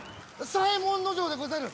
左衛門尉でござる！